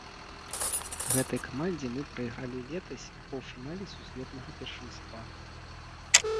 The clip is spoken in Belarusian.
Гэтай камандзе мы прайгралі летась у паўфінале сусветнага першынства.